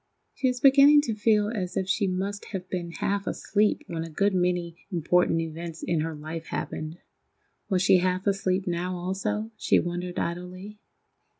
She was beginning to feel as if she must have been half asleep when a good many important events in her life happened. Was she half asleep now also, she wondered idly?